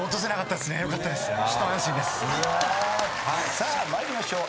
さあ参りましょう。